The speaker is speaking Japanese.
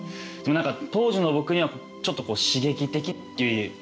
でも何か当時の僕にはちょっとこう刺激的っていう絵。